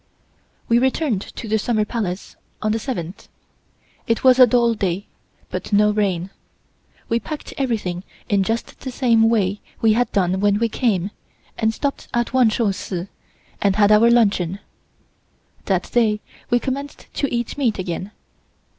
We returned to the Summer Palace on the seventh. It was a dull day, but no rain. We packed everything in just the same way we had done when we came, and stopped at Wan Shou Si and had our luncheon. That day we commenced to eat meat again.